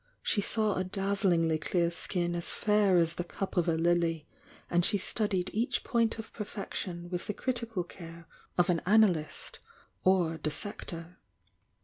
She ^w a dazzlingly clear skin as fair as the cup of a lily, and she studied each point of perfection with the critical care of an analyst or dissector.